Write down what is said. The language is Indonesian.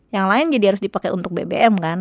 yang lain jadi harus dipakai untuk bbm kan